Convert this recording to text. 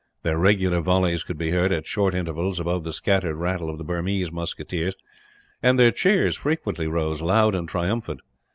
Their regular volleys could be heard, at short intervals, above the scattered rattle of the Burmese musketeers; and their cheers frequently rose, loud and triumphant.